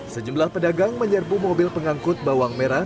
sejumlah pedagang menyerbu mobil pengangkut bawang merah